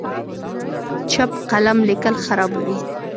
چپ قلم لیکل خرابوي.